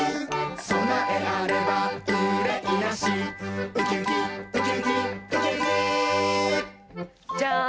「そなえあればうれいなし」「ウキウキウキウキウキウキ」じゃん！